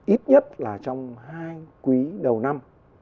ít nhất là trong hai quý đầu năm